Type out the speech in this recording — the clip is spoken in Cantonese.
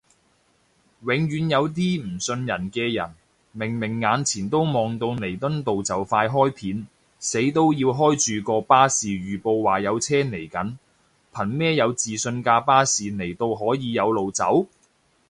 永遠有啲唔信人嘅人，明明眼前都望到彌敦道就快開片，死都要開住個巴士預報話有車嚟緊，憑咩有自信架巴士嚟到可以有路走？